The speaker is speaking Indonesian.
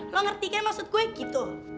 lu ngerti kan maksud gue gitu